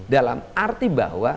dalam arti bahwa